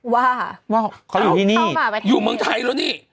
ว่าเขาอยู่ที่นี่อยู่เมืองไทยแล้วนี่